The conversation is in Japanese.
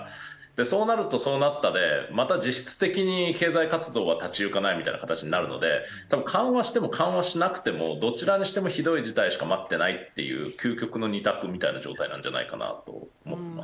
そうなるとそうなったでまた実質的に経済活動は立ち行かないみたいな形になるので多分緩和しても緩和しなくてもどちらにしてもひどい事態しか待ってないっていう究極の二択みたいな状態なんじゃないかなと思ってます。